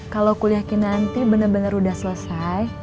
kalau kuliah kinanti bener bener udah selesai